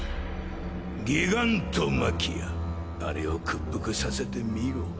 ギガントマキアあれを屈服させてみろ。